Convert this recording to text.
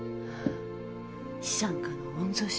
資産家の御曹司。